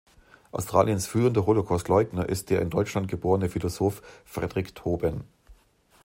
Australiens führender Holocaustleugner ist der in Deutschland geborene Philosoph Fredrick Toben.